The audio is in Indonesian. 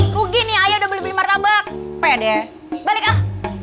rugi nih ayah udah beli beli martabak pede balik ah